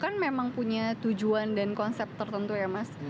kan memang punya tujuan dan konsep tertentu ya mas